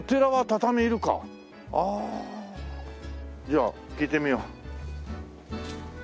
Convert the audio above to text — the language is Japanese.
じゃあ聞いてみよう。